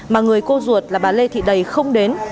mà người cô ruột là bà lê thị đầy không đến